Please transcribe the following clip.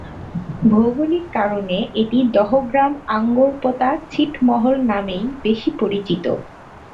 ভৌগোলিক কারণে এটি দহগ্রাম-আঙ্গোরপোতা ছিটমহল নামেই বেশি পরিচিত।